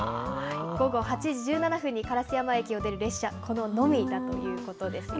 午後８時１７分に烏山駅を出る列車、これのみだということですよ。